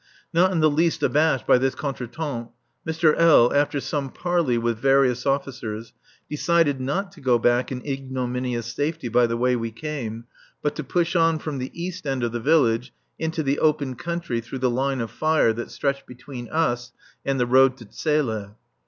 Not in the least abashed by this contretemps, Mr. L., after some parley with various officers, decided not to go back in ignominious safety by the way we came, but to push on from the east end of the village into the open country through the line of fire that stretched between us and the road to Zele.